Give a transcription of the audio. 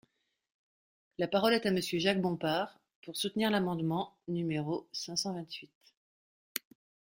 La parole est à Monsieur Jacques Bompard, pour soutenir l’amendement numéro cinq cent vingt-huit.